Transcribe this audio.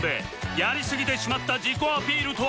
やりすぎてしまった自己アピールとは？